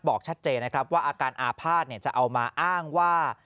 บอกชัดเจนนะครับว่าอาการอาภาษณจะเอามาอ้างว่า